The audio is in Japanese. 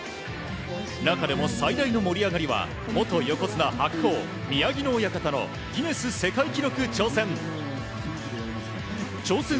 中でも最大の盛り上がりは元横綱・白鵬宮城野親方のギネス世界記録挑戦。